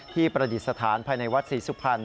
ที่ประดิษฐานภายในวัดศรีสุภัณฑ์